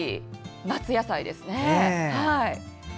夏野菜ですね。